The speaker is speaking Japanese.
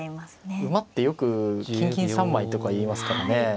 馬ってよく金銀３枚とか言いますからね。